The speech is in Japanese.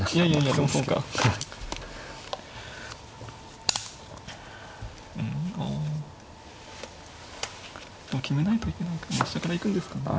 もう決めないといけないから飛車から行くんですかね。